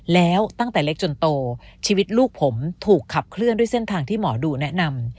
แล้วตั้งแต่เล็กจนโตชีวิตลูกผมถูกขับเคลื่อนด้วยเส้นทางที่หมอดูแนะนำ